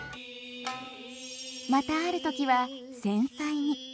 またある時は繊細に。